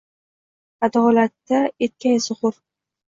Аdolatda etgay zuhur.